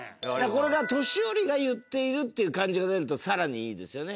これが年寄りが言っているっていう感じが出ると更にいいですよね。